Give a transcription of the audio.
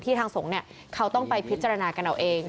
ทางสงฆ์เขาต้องไปพิจารณากันเอาเอง